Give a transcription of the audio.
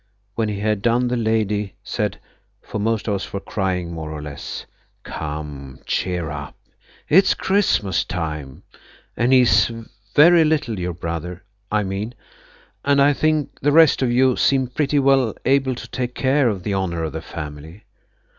When he had done the lady said, for most of us were crying more or less– "Come, cheer up! It's Christmas time, and he's very little–your brother, I mean. And I think the rest of you seem pretty well able to take care of the honour of the family.